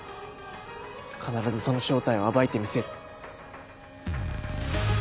必ずその正体を暴いてみせる。